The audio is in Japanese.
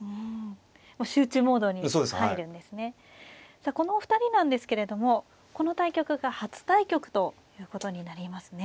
さあこのお二人なんですけれどもこの対局が初対局ということになりますね。